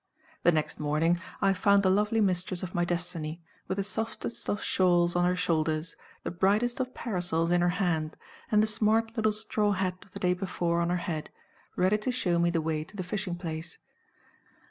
The next morning, I found the lovely mistress of my destiny, with the softest of shawls on her shoulders, the brightest of parasols in her hand, and the smart little straw hat of the day before on her head, ready to show me the way to the fishing place.